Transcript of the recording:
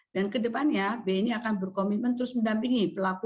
dan ke depannya bni akan berkomitmen terus mendampingi pelanggan